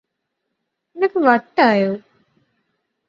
നിനക്ക് വട്ടായോ